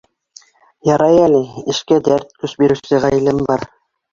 Ярай әле, эшкә дәрт, көс биреүсе ғаиләм бар.